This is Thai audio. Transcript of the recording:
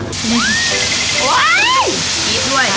โอ้ยนี่ด้วย